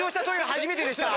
初めてでした。